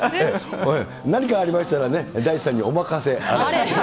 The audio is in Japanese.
何かありましたらね、大地さんにお任せあれということで。